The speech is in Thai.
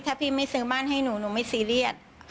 ถ้าพี่ไม่ซื้อบ้านให้หนูหนูไม่ซีเรียส